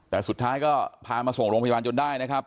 แต่สุดท้ายก็พามาส่งโรงพยาบาลจนได้นะครับ